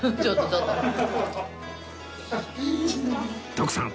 徳さん